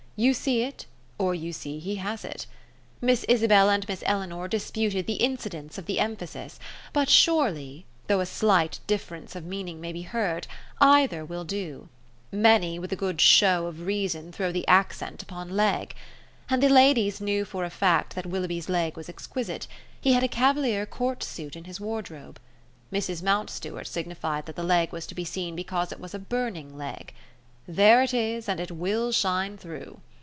You see it: or, you see he has it. Miss Isabel and Miss Eleanor disputed the incidence of the emphasis, but surely, though a slight difference of meaning may be heard, either will do: many, with a good show of reason, throw the accent upon leg. And the ladies knew for a fact that Willoughby's leg was exquisite; he had a cavalier court suit in his wardrobe. Mrs. Mountstuart signified that the leg was to be seen because it was a burning leg. There it is, and it will shine through!